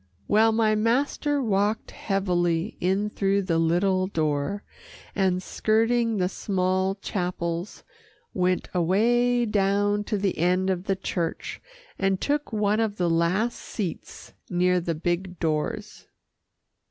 Well, my master walked heavily in through the little door, and skirting the small chapels, went away down to the end of the church and took one of the last seats near the big doors.